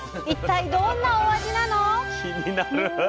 一体どんなお味なの？